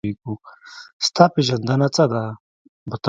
ستا پېژندنه څه ده؟